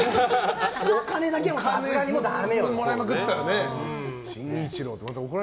お金だけはさすがにダメよ。